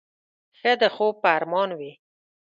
ښه د خوب په ارمان وې.